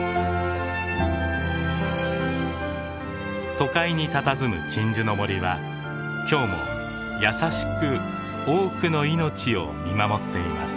都会にたたずむ鎮守の森は今日も優しく多くの命を見守っています。